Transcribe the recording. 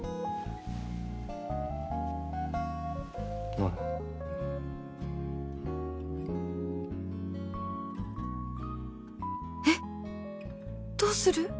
ほらえっどうする？